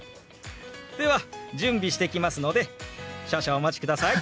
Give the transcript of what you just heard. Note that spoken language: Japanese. では準備してきますので少々お待ちください。